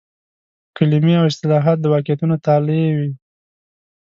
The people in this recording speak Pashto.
کلمې او اصطلاحات د واقعیتونو تالي وي.